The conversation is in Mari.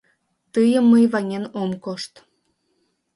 Тыйым мый ваҥен ом кошт.